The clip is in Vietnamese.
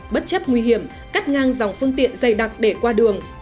bất chấp nguy hiểm cắt ngang dòng phương tiện dày đặc để qua đường